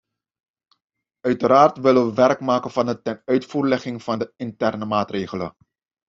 Uiteraard willen wij werk maken van de tenuitvoerlegging van de interne maatregelen.